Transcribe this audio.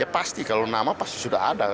pasti kalau nama pasti sudah ada